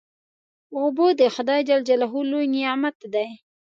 اوبه د خدای لوی نعمت دی.